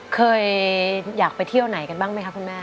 เคยอยากไปเที่ยวไหนกันบ้างไหมคะคุณแม่